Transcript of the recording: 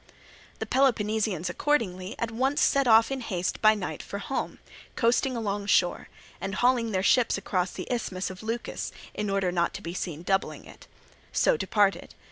The Peloponnesians accordingly at once set off in haste by night for home, coasting along shore; and hauling their ships across the Isthmus of Leucas, in order not to be seen doubling it, so departed.